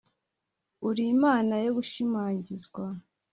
r/ uri imana y'ugushimagizwa